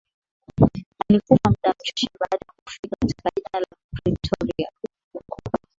Alikufa mda mchache baada ya kufika katika jela ya Pretoria